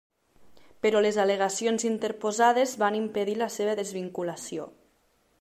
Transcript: Però les al·legacions interposades van impedir la seva desvinculació.